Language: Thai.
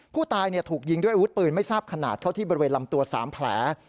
ผู้ตายถูกยิงด้วยอาวุธปืนไม่ทราบขนาดเข้าที่บริเวณลำตัว๓แผล